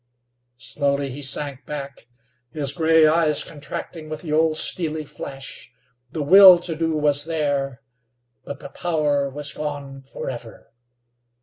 Slowly he sank back, his gray eyes contracting with the old steely flash. The will to do was there, but the power was gone forever.